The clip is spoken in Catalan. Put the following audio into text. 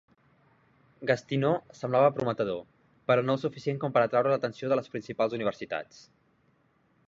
Gastineau semblava prometedor, però no el suficient com per atraure l"atenció de les principals universitats.